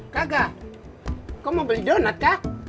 kakak kau mau beli donat kah